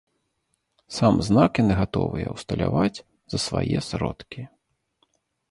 Сам знак яны гатовыя ўсталяваць за свае сродкі.